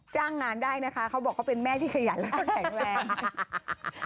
จ้างงานได้นะคะเขาบอกเขาเป็นแม่ที่ขยันแล้วก็แข็งแรง